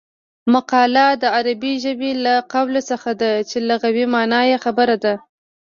مقوله د عربي ژبې له قول څخه ده چې لغوي مانا یې خبره ده